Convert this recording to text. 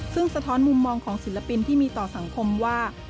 ซึ่งสะท้อนมุมมองของศิลปินที่มีต่อสังคมว่า